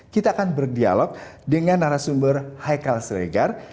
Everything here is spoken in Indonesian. kita akan berdialog dengan narasumber haikal siregar